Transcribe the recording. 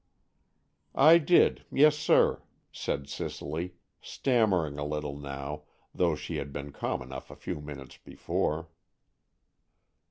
"I did, yes, sir," said Cicely, stammering a little now, though she had been calm enough a few minutes before.